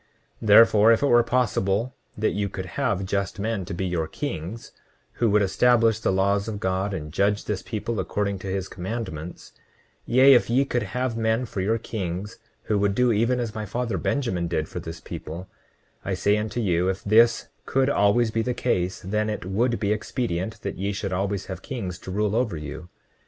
29:13 Therefore, if it were possible that you could have just men to be your kings, who would establish the laws of God, and judge this people according to his commandments, yea, if ye could have men for your kings who would do even as my father Benjamin did for this people—I say unto you, if this could always be the case then it would be expedient that ye should always have kings to rule over you.